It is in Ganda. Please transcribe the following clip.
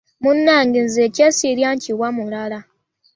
Munnange nze kye ssirya nkiwa omulala.